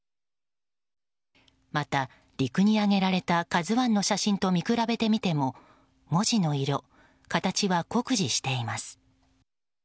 また、陸に上げられた「ＫＡＺＵ１」の写真と見比べてみても文字の色、形は酷似しています。